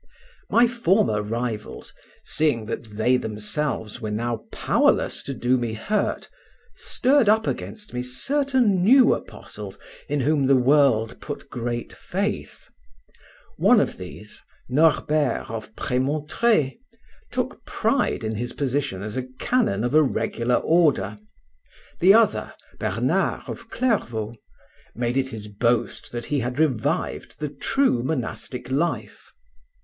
My former rivals, seeing that they themselves were now powerless to do me hurt, stirred up against me certain new apostles in whom the world put great faith. One of these (Norbert of Prémontré) took pride in his position as canon of a regular order; the other (Bernard of Clairvaux) made it his boast that he had revived the true monastic life.